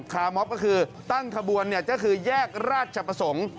มอบก็คือตั้งขบวนก็คือแยกราชประสงค์